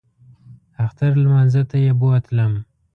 اختر لمانځه ته یې بوتلم.